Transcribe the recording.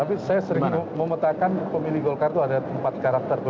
tapi saya sering memetakan pemilih golkar itu ada empat karakter tuh